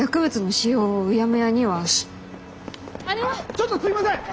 ちょっとすいません！